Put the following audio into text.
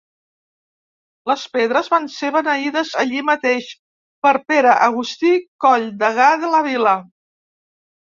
Les pedres van ser beneïdes allí mateix per Pere Agustí Coll, degà de la vila.